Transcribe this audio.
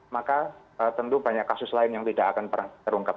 maka tentu banyak kasus lain yang tidak akan pernah terungkap